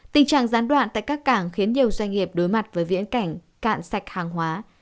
tình trạng gián đoạn tại các cảng khiến nhiều doanh nghiệp đối mặt với viễn cảnh cạn sạch hàng hóa